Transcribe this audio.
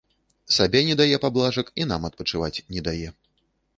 Сабе не дае паблажак і нам адпачываць не дае.